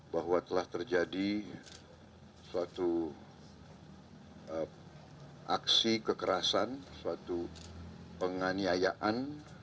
bahwa telah terjadi suatu aksi kekerasan suatu penganiayaan